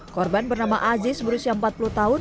korban bernama aziz berusia empat puluh tahun